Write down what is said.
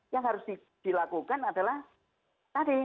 yang harus dilakukan adalah tadi